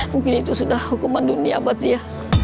mungkin itu sudah hukuman dunia buat dia